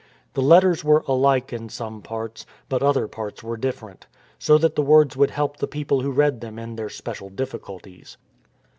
The letters were alike in some parts; but other parts were different, so that the words would help the people who read them in their special difficul ties.